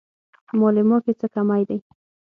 مالې ما کې څه کمی دی.